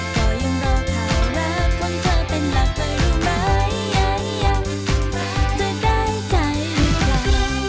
แต่ก็ยังรอเขารักคนเธอเป็นหลัก